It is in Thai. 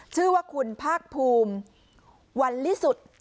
ชื่อว่าคุณภาคภูมิวันลิสุทธิ์